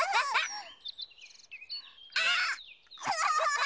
あっ！